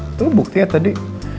itu bukti ya tadi